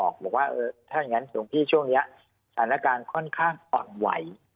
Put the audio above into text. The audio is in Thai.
ถ้าอย่างงั้นถึงพี่ช่วงนี้สถานการณ์ค่อนข้างฝั่งไหว